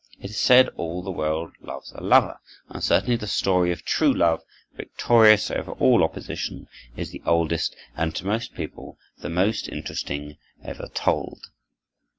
It is said, "All the world loves a lover," and certainly the story of true love victorious over all opposition is the oldest and to most people the most interesting ever told.